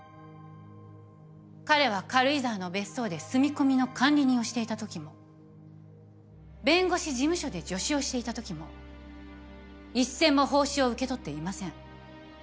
彼は軽井沢の別荘で住み込みの管理人をしていたときも弁護士事務所で助手をしていたときも一銭も報酬を受け取っていません。